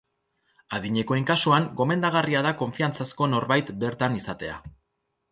Adinekoen kasuan, gomendagarria da konfiantzazko norbait bertan izatea.